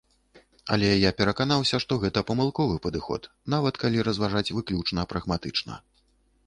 Але я пераканаўся, што гэта памылковы падыход, нават калі разважаць выключна прагматычна.